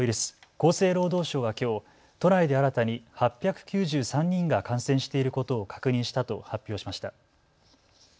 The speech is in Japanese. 厚生労働省はきょう都内で新たに８９３人が感染していることを確認したと発表しました。